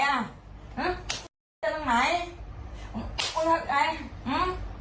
อุ้ยไอ้อื้ออื้ออื้อว่าจะไหวแล้วน่ะเอาเมื่อก่อนเอาของข้าวไว้ดู